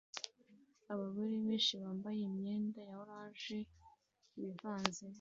Abagore benshi bambaye imyenda ya orange bivanze